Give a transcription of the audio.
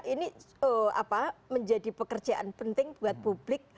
ini menjadi pekerjaan penting buat publik